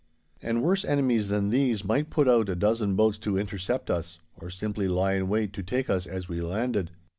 And worse enemies than these might put out a dozen boats to intercept us, or simply lie in wait to take us as we landed.